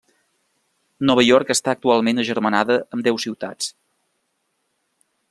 Nova York està actualment agermanada amb deu ciutats.